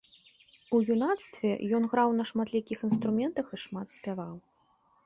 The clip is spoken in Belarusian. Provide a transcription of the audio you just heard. У юнацтве ён граў на шматлікіх інструментах і шмат спяваў.